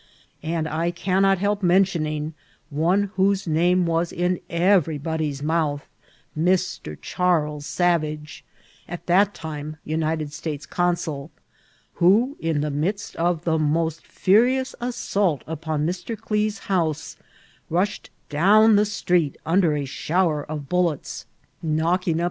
And I cannot help mentioning one whose name was in everybody's mouth, Mr. Charles Savage, at that time United States consul, who, in the midst of the most furious assault upon Mr. Klee's house, rushed down the street under a shower of bullets, knocking up Vol.